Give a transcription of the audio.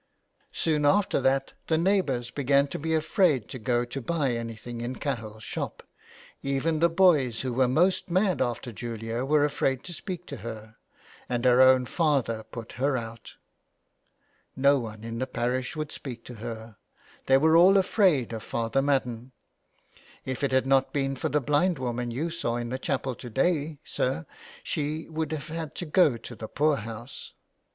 Soon after that the neighbours began to be afraid to go to buy anything in CahilPs shop; even the boys who were most mad after Julia were afraid to speak to her, and her own father put her out. No one in the parish would speak to her; they were all afraid of Father Madden. If it had not been for the blind woman you saw in the chapel to day, sir, she would have had to go to the poorhouse.